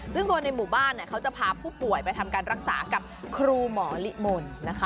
ซึ่งคนในหมู่บ้านเขาจะพาผู้ป่วยไปทำการรักษากับครูหมอลิมนต์นะคะ